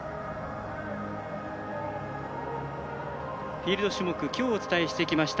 フィールド種目きょうお伝えしてきました